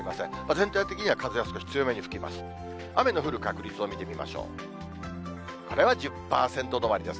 全体的には風は少し強めに吹きます。